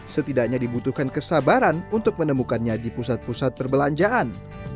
setidaknya dibutuhkan kesabaran untuk menemukannya di pusat pusat perbelanjaan